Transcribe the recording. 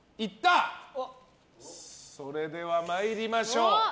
それでは参りましょう。